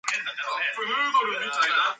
Its administrative centre was Shuya.